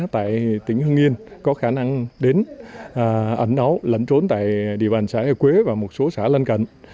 tại tỉnh hưng yên có khả năng đến ảnh áo lãnh trốn tại địa bàn xã hè quế và một số xã lên cạnh